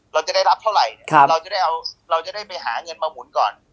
เราจะได้รับเท่าไหร่เนี่ยเราจะได้เอาเราจะได้ไปหาเงินมาหมุนก่อน